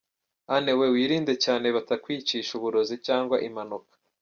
Anne we wirinde cyane batakwicisha uburozi cyangwa impanuka